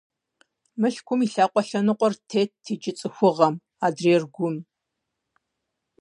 Мылъкум и лъакъуэ лъэныкъуэр тетт иджы ЦӀыхугъэм, адрейр - Гум.